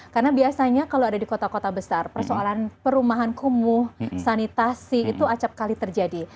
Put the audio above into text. karena biasanya kalau ada di kota kota besar persoalan perumahan kumuh sanitasi itu acap kali terjadi